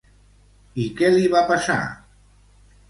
I què li va passar?